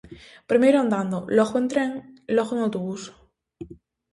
Primeiro andando, logo en tren, logo en autobús.